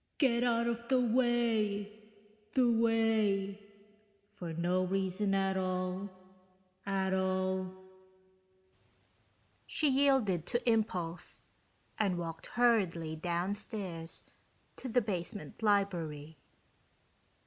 (Get out of the way, the way.... For no reason at all, at all....) She yielded to impulse and walked hurriedly downstairs to the basement library.